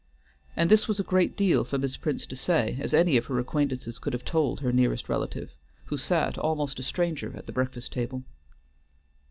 And this was a great deal for Miss Prince to say, as any of her acquaintances could have told her nearest relative, who sat, almost a stranger, at the breakfast table.